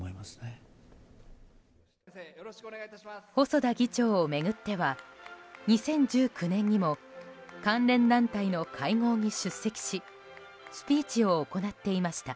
細田議長を巡っては２０１９年にも関連団体の会合に出席しスピーチを行っていました。